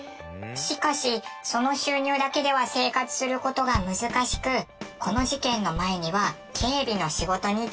しかしその収入だけでは生活する事が難しくこの事件の前には。